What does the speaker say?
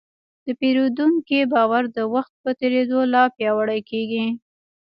د پیرودونکي باور د وخت په تېرېدو لا پیاوړی کېږي.